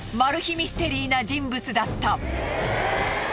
ミステリーな人物だった。